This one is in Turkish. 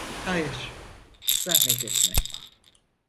Hayır, zahmet etme.